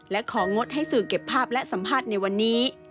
และของงดให้สื่อเก็บภาพและสัมภาษณ์ในวันนี้